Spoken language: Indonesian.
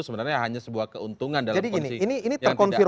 sebenarnya hanya sebuah keuntungan dalam kondisi yang tidak ada